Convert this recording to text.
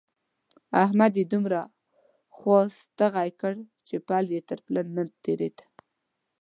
احمد يې دومره خوا ستغی کړ چې پل يې تر پله نه تېرېد.